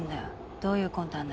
どういう魂胆だ？